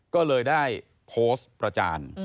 ก็เลยได้โพสต์ประจาน